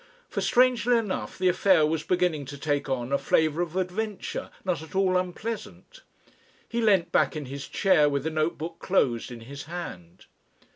For, strangely enough, the affair was beginning to take on a flavour of adventure not at all unpleasant. He leant back in his chair with the note book closed in his hand....